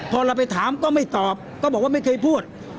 พอเราไปถามก็ไม่ตอบก็บอกว่าไม่เคยพูด